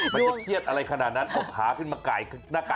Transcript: มันจะเครียดอะไรขนาดนั้นเอาขาขึ้นมาไก่หน้ากาก